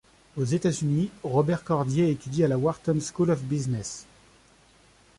Aux États-Unis Robert Cordier étudie à la Wharton School of Business.